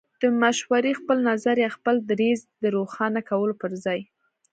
د مشورې، خپل نظر يا خپل دريځ د روښانه کولو پر ځای